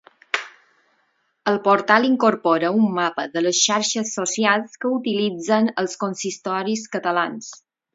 El portal incorpora un mapa de les xarxes socials que utilitzen els consistoris catalans.